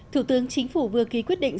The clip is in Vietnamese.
thủ tướng chính phủ vừa ký quyết định